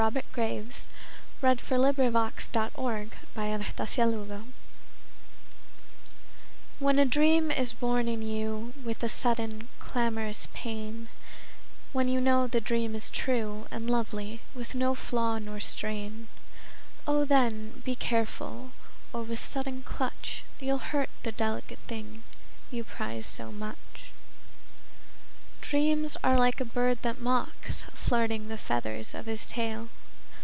K L . M N . O P . Q R . S T . U V . W X . Y Z A Pinch of Salt WHEN a dream is born in you With a sudden clamorous pain, When you know the dream is true And lovely, with no flaw nor strain, O then, be careful, or with sudden clutch You'll hurt the delicate thing you prize so much. Dreams are like a bird that mocks, Flirting the feathers of his tail.